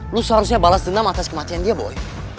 lo seharusnya balas dendam atas kematian dia boy